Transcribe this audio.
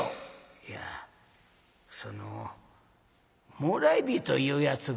「いやそのもらい火というやつが」。